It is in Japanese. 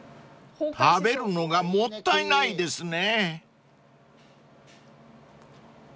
［食べるのがもったいないですね］